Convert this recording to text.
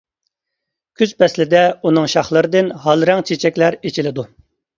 كۈز پەسلىدە ئۇنىڭ شاخلىرىدىن ھال رەڭ چېچەكلەر ئېچىلىدۇ.